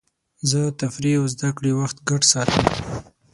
زه د تفریح او زدهکړې وخت ګډ ساتم.